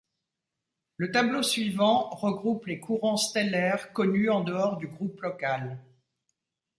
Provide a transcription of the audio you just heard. Le tableau suivant regroupe les courants stellaires connus en dehors du groupe local.